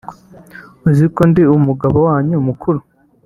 uzi ko ndi umugabo wanyu mukuru